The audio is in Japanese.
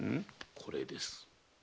これです。